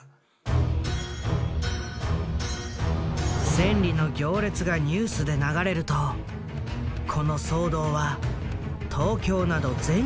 千里の行列がニュースで流れるとこの騒動は東京など全国に拡大した。